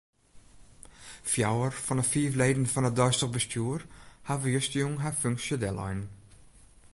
Fjouwer fan 'e fiif leden fan it deistich bestjoer hawwe justerjûn har funksje dellein.